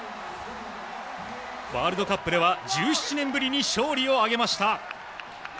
ワールドカップでは１７年ぶりに勝利を挙げました。